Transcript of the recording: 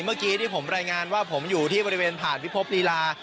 เมื่อกี้ที่ผมรายงานว่าผมอยู่ที่บริเวณผ่านพิภพลีลา